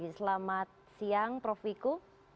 selamat siang prof viku